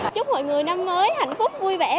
chúc mọi người năm mới hạnh phúc vui vẻ và bình an